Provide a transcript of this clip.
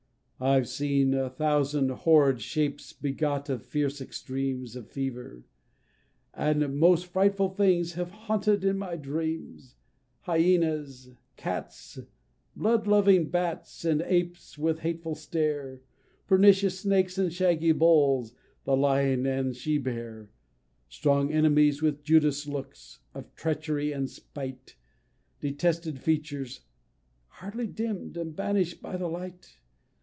I've seen a thousand horrid shapes begot of fierce extremes Of fever; and most frightful things have haunted in my dreams Hyenas cats blood loving bats and apes with hateful stare, Pernicious snakes, and shaggy bulls the lion, and she bear Strong enemies, with Judas looks, of treachery and spite Detested features, hardly dimm'd and banish'd by the light!